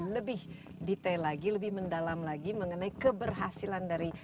lebih detail lagi lebih mendalam lagi mengenai keberhasilan dari